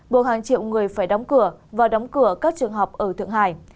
buộc hàng triệu người phải đóng cửa và đóng cửa các trường học ở thượng hải